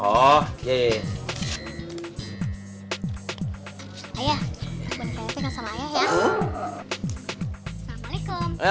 bonekanya itu yang sama ayah ya